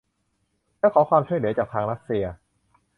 และขอความช่วยเหลือจากทางรัสเซีย